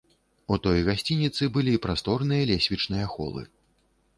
У той гасцініцы былі прасторныя лесвічныя холы.